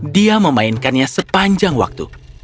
dia memainkannya sepanjang waktu